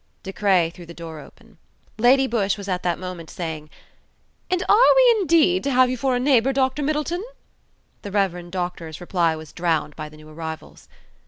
De Craye threw the door open. Lady Busshe was at that moment saying, "And are we indeed to have you for a neighbour, Dr. Middleton?" The Rev. Doctor's reply was drowned by the new arrivals.